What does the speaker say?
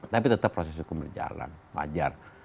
tapi tetap proses hukum berjalan wajar